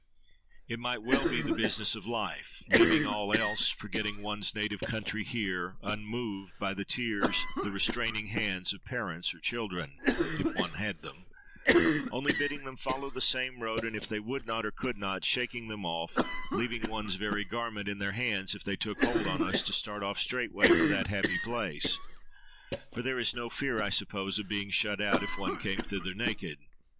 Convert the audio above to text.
—It might well be the business of life:—leaving all else, forgetting one's native country here, unmoved by the tears, the restraining hands, of parents or children, if one had them—only bidding them follow the same road; and if they would not or could not, shaking them off, leaving one's very garment in their hands if they took hold on us, to start off straightway for that happy place! For there is no fear, I suppose, of being shut out if one came thither naked.